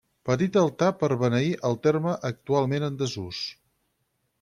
Petit altar per beneir el terme actualment en desús.